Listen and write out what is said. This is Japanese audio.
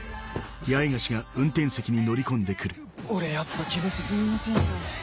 俺やっぱ気が進みませんよ。